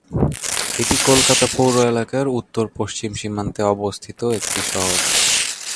এটি কলকাতা পৌর এলাকার উত্তর-পশ্চিম সীমান্তে অবস্থিত একটি শহর।